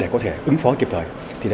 để có thể ứng phó kịp thời